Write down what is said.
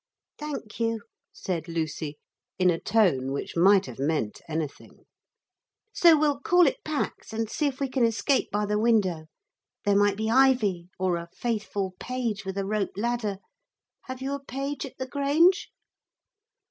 'Thank you,' said Lucy, in a tone which might have meant anything. 'So we'll call it Pax and see if we can escape by the window. There might be ivy or a faithful page with a rope ladder. Have you a page at the Grange?'